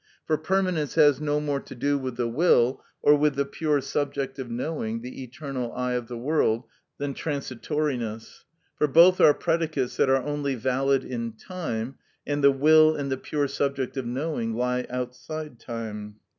For permanence has no more to do with the will or with the pure subject of knowing, the eternal eye of the world, than transitoriness, for both are predicates that are only valid in time, and the will and the pure subject of knowing lie outside time.